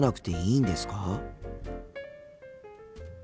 いいんです。